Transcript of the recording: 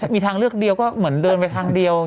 มีทางเลือกเดียวก็เหมือนเดินไปทางเดียว